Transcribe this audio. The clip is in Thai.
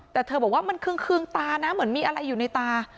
แต่เธอบอกว่ามันคืองตานะเหมือนมีอะไรอยู่ในตา